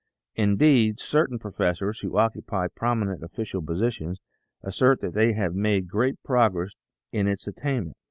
In deed certain professors who occupy prominent official po sitions, assert that they have made great progress towards its attainment.